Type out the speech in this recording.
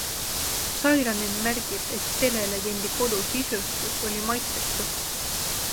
Sairanen märgib, et telelegendi kodu sisustus oli maitsetu.